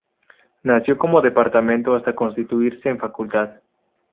Nació como Departamento hasta constituirse en Facultad.